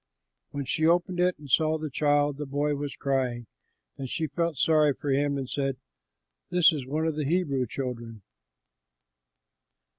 When she opened it and saw the child, the boy was crying; and she felt sorry for him and said, "This is one of the Hebrew children."